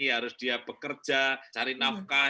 harus dia bekerja cari nafkah